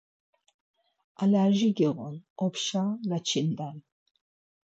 Alerji giğun, opşa gaçinden.